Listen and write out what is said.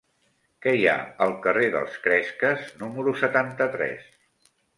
Què hi ha al carrer dels Cresques número setanta-tres?